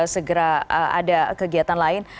segera ada kegiatan lain